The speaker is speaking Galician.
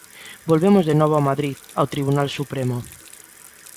Volvemos de novo a Madrid, ao tribunal Supremo.